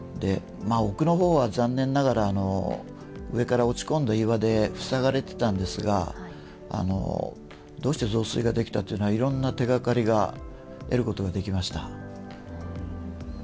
奥のほうは残念ながら上から落ち込んだ岩で塞がれてたんですが、どうして増水ができたというのはいろんな手がかりが得ることができました。